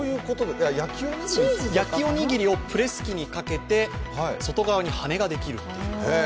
焼きおにぎりをプレス機にかけて外側に羽ができるっていう。